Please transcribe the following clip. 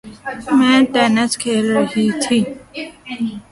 میں ٹینس کھیل رہی تھی